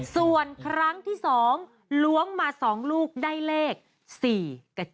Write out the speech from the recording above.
ส่วนครั้งที่๒ล้วงมา๒ลูกได้เลข๔กับ๗